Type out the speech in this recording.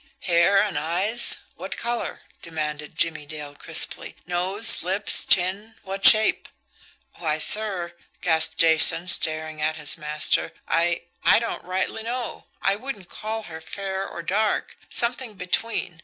"Hair and eyes what color?" demanded Jimmie Dale crisply. "Nose, lips, chin what shape?" "Why, sir," gasped Jason, staring at his master, "I I don't rightly know. I wouldn't call her fair or dark, something between.